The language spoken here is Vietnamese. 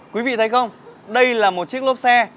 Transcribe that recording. quý vị thấy không đây là một chiếc lốp xe